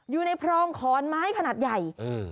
อยู่ในพรองขอนไม้ขนาดใหญ่